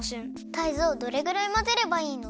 タイゾウどれぐらいまぜればいいの？